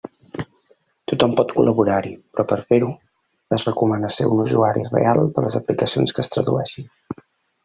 Tothom pot col·laborar-hi, però per a fer-ho es recomana ser un usuari real de les aplicacions que es tradueixin.